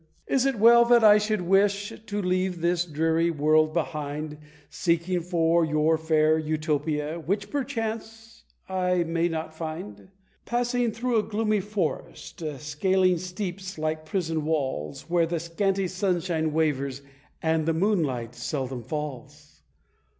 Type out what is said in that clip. Is it well that I should with to leave this dreary world behind, Seeking for your fair Utopia, which perchance I may not find? Passing through a gloomy forest, scaling steeps like prison walls, Where the scanty sunshine wavers and the moonlight seldom falls?